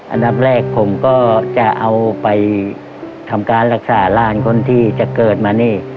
อันดับแรกผมก็จะเอาไปทำการรักษาหลานคนที่จะเกิดมานี่